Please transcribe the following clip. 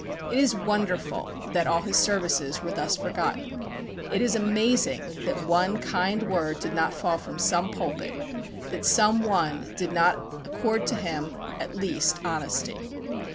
It is wonderful that all his services were thus forgotten. It is amazing that one kind word did not fall from some pulpit; that some one did not accord to him, at least honesty.